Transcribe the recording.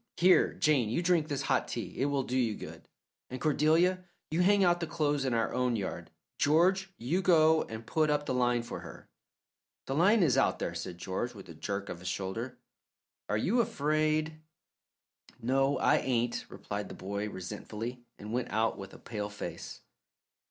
"Here, Jane, you drink this hot tea it will do you good; and Cordelia, you hang out the clothes in our own yard. George, you go and put up the line for her." "The line is out there," said George, with a jerk of his shoulder. "Are you afraid?" "No, I ain't," replied the boy resentfully, and went out with a pale face.